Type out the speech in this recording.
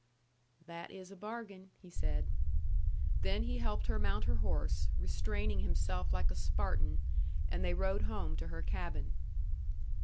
"That is a bargain," he said. Then he helped her mount her horse, restraining himself like a Spartan, and they rode home to her cabin.